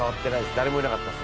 誰もいなかったです。